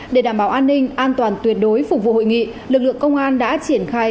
để đảm bảo an ninh an toàn tuyệt đối phục vụ hội nghị lực lượng công an đã triển khai